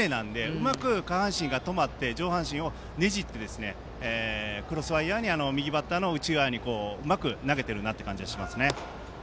うまく下半身が止まって上半身をねじってクロスファイアーに右バッターの内側にうまく投げている感じがします。